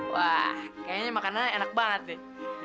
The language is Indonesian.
wah kayaknya makanannya enak banget deh